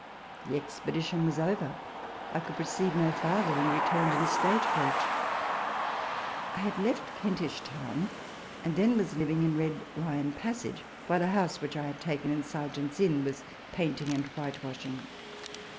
The expedition was over ; I could proceed no farther, and returned in a stage coach. I had left Kentish Town and was then living in Red Lion Passage, while a house which I had taken in Serjeants Inn was painting and whitewashing.